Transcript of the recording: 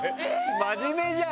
真面目じゃん！